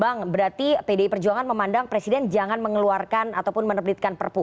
bang berarti pdi perjuangan memandang presiden jangan mengeluarkan ataupun menerbitkan perpu